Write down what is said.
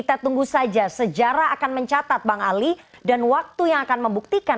kita tunggu saja sejarah akan mencatat bang ali dan waktu yang akan membuktikan